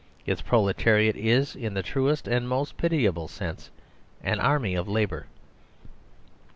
Its proletariat is, in the truest and most pitiable sense, an army of labour.